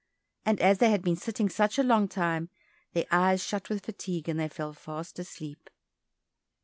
And as they had been sitting such a long time, their eyes shut with fatigue, and they fell fast asleep.